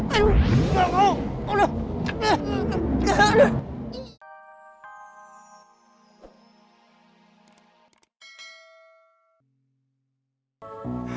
aduh enggak mau